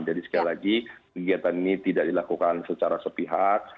jadi sekali lagi kegiatan ini tidak dilakukan secara sepihak